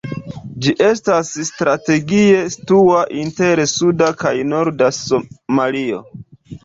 Ĝi estas strategie situa inter suda kaj norda Somalio.